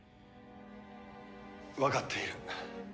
わかっている。